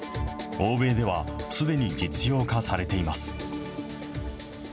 欧米では、すでに実用化されています。